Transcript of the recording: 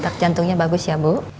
truk jantungnya bagus ya bu